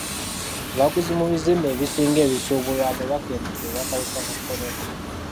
Abaguzi mu bizimbe ebisinga ebisuubulwamu bakendedde olw'akawuka ka kolona.